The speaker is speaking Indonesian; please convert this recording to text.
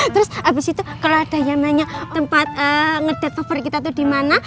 terus abis itu kalau ada yang nanya tempat ngedet favorit kita itu dimana